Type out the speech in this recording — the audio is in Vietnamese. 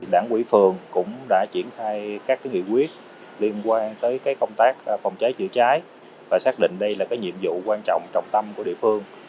đảng quỹ phường cũng đã triển khai các nghị quyết liên quan tới công tác phòng cháy chữa cháy và xác định đây là nhiệm vụ quan trọng trọng tâm của địa phương